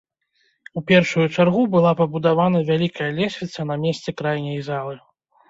У першую чаргу была пабудавана вялікая лесвіца на месцы крайняй залы.